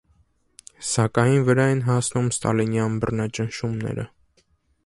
Սակայն, վրա են հասնում ստալինյան բռնաճնշումները։